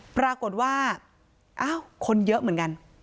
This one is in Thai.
ปรากฏว่าอ้าวคนเยอะเหมือนกัน